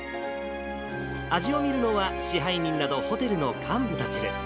味を見るのは、支配人など、ホテルの幹部たちです。